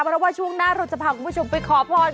เพราะว่าช่วงหน้าเราจะพาคุณผู้ชมไปขอพร